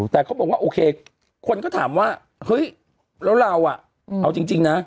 แต่เขาบอกว่าโอเคคนก็ถามว่าเฮ้ยแล้วเราอ่ะเอาจริงนะ